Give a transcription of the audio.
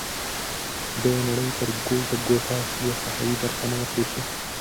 د نړۍ تر ګوټ ګوټه یې ساحوي برخه نه ده پریښې.